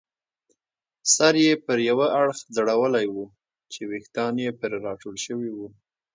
سر یې پر یوه اړخ ځړولی وو چې ویښتان یې پرې راټول شوي وو.